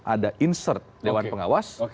ada insert dewan pengawas